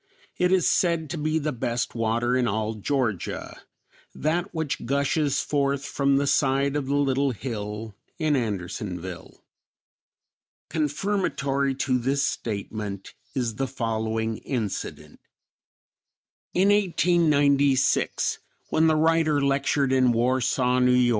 It is said to be the best water in all Georgia; that which gushes forth from the side of the little hill in Andersonville." Confirmatory to this statement is the following incident: In 1896, when the writer lectured in Warsaw, N. Y.